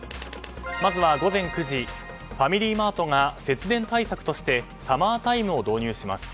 まずは午前９時ファミリーマートが節電対策としてサマータイムを導入します。